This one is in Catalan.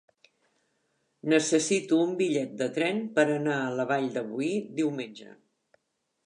Necessito un bitllet de tren per anar a la Vall de Boí diumenge.